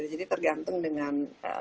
jadi tergantung dengan